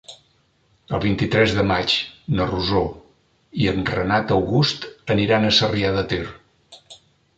El vint-i-tres de maig na Rosó i en Renat August aniran a Sarrià de Ter.